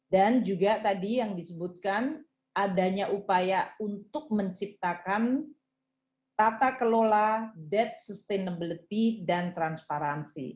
dan juga tadi yang disebutkan adanya upaya untuk menciptakan tata kelola debt sustainability dan transparansi